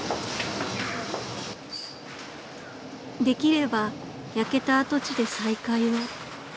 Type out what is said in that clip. ［できれば焼けた跡地で再開を］